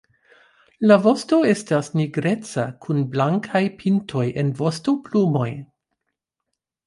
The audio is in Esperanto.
La vosto estas nigreca kun blankaj pintoj en vostoplumoj.